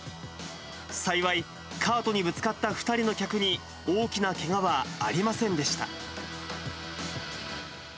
幸い、カートにぶつかった２人の客に、大きなけがはありませんでした。